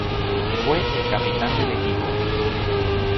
Fue el capitán del equipo.